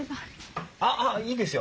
あっいいですよ。